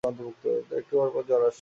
একটু পর পর জ্বর আসছে।